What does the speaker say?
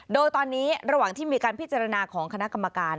โดยตอนนี้ระหว่างที่มีการพิจารณาของคณะกรรมการ